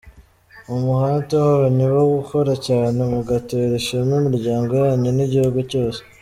Umuhate wanyu wo gukora cyane mugatera ishema imiryango yanyu n’igihugu cyose.